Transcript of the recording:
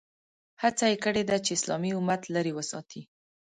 هڅه یې کړې ده چې اسلامي امت لرې وساتي.